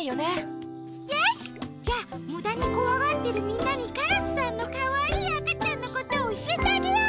よし！じゃむだにこわがってるみんなにカラスさんのかわいいあかちゃんのことおしえてあげよう！